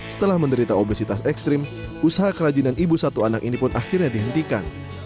setelah menderita obesitas ekstrim usaha kerajinan ibu satu anak ini pun akhirnya dihentikan